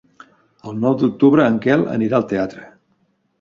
El nou d'octubre en Quel anirà al teatre.